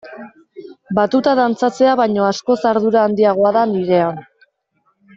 Batuta dantzatzea baino askoz ardura handiagoa da nirea.